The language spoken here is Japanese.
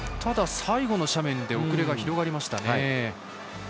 最後の斜面で遅れが広がりました。